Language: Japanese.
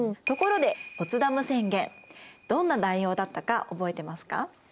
ところでポツダム宣言どんな内容だったか覚えてますか？